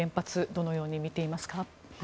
どのように見ていますか。